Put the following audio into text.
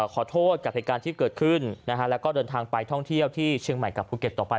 ขอโทษกับเหตุการณ์ที่เกิดขึ้นนะฮะแล้วก็เดินทางไปท่องเที่ยวที่เชียงใหม่กับภูเก็ตต่อไป